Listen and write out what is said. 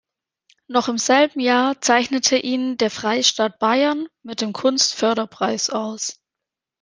Noch im selben Jahr zeichnete ihn der Freistaat Bayern mit dem Kunstförderpreis aus.